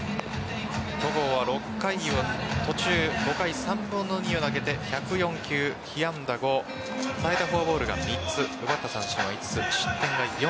戸郷は６回途中５回３分の２を投げて１０４球、被安打５与えたフォアボールが３つ奪った三振は５つ失点が４